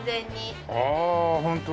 ああホントだ。